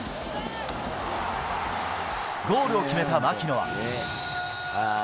ゴールを決めた槙野は。